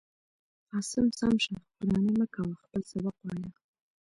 عاصم سم شه وراني من كوه خپل سبق وايا.